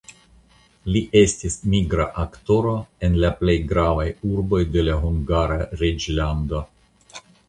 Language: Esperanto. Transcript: Li estis migra aktoro en la plej gravaj urboj de la Hungara reĝlando.